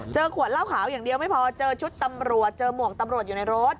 ขวดเหล้าขาวอย่างเดียวไม่พอเจอชุดตำรวจเจอหมวกตำรวจอยู่ในรถ